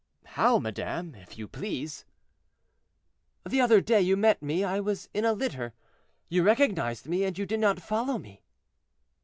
"How, madame, if you please?" "The other day you met me; I was in a litter, you recognized me, and you did not follow me."